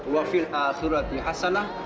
wafil akhirati hasanah